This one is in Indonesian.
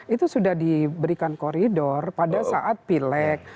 itu sudah diberikan koridor pada saat pileg